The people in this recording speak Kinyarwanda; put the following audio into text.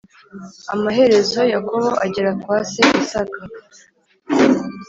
Amaherezo Yakobo agera kwa se Isaka